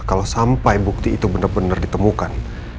kalau sampai bukti itu benar benar ditemukan